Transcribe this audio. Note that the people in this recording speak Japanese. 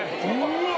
・うわ！